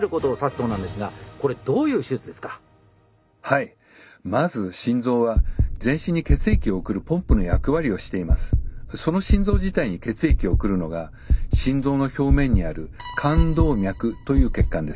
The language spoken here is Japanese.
その心臓自体に血液を送るのが心臓の表面にある冠動脈という血管です。